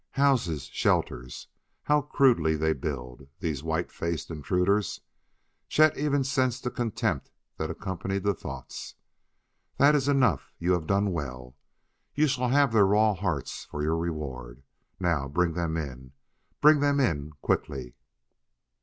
Houses, shelters how crudely they build, these white faced intruders!" Chet even sensed the contempt that accompanied the thoughts. "That is enough; you have done well. You shall have their raw hearts for your reward. Now bring them in bring them in quickly!"